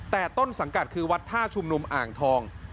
แต่ต้นสังกัดคือวัดท่าชุมนุมอ่างทอง